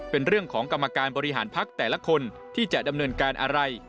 เป็นเรื่องของกรรมการบริหารพักแต่ละคนที่จะดำเนินการอะไร